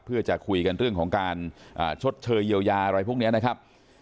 เพื่อจะคุยกันเรื่องของการชดเชยเยียวยาอะไรพวกนี้นะครับ